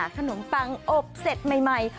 ขนมปังอบเสร็จใหม่